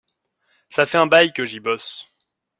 Ça fait un bail que j’y bosse.